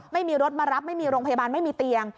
ไม่มีรถมารับไม่มีโรงพยาบาลไม่มีเตียง